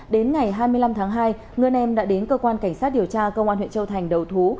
đến ngày hai mươi năm tháng hai ngân đã đến cơ quan cảnh sát điều tra công an huyện châu thành đầu thú